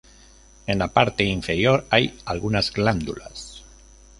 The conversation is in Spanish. En la parte inferior hay algunas glándulas.